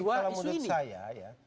kalau menurut saya ya